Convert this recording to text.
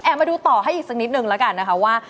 มาดูต่อให้อีกสักนิดนึงแล้วกันนะคะว่า